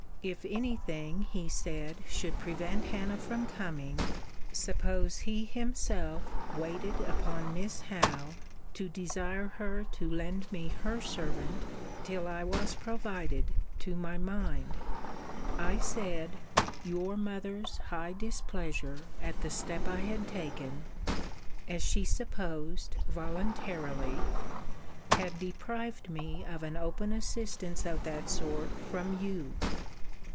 If any thing, he said, should prevent Hannah from coming, suppose he himself waited upon Miss Howe, to desire her to lend me her servant till I was provided to my mind? I said, your mother's high displeasure at the step I had taken, (as she supposed, voluntarily,) had deprived me of an open assistance of that sort from you.